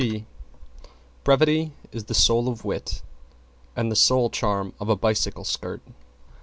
T Brevity is the soul of wit and the sole charm of of a bicycle skirt.